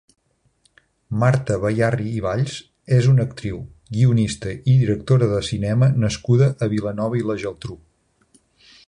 Marta Bayarri i Valls és una actriu, guionista i directora de cinema nascuda a Vilanova i la Geltrú.